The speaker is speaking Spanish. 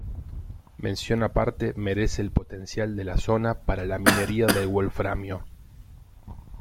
Mención aparte merece el potencial de la zona para la minería del wolframio.